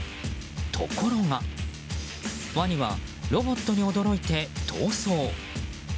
ところがワニはロボットに驚いて逃走。